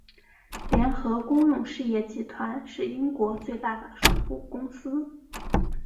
联合公用事业集团是英国最大的水务公司。